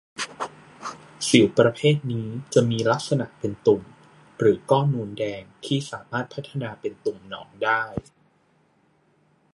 สิวประเภทนี้จะมีลักษณะเป็นตุ่ม หรือก้อนนูนแดงที่สามารถพัฒนาเป็นตุ่มหนองได้